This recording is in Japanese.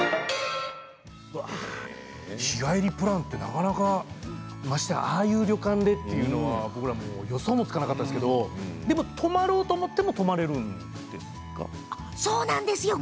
日帰りプランってなかなかましてああいう旅館でというのが予想もつかなかったですけど泊まろうと思ってもそうなんですよ